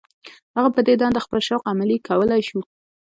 هغه په دې دنده خپل شوق عملي کولای شو.